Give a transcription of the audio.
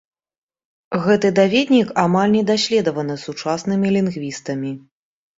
Гэты даведнік амаль не даследаваны сучаснымі лінгвістамі.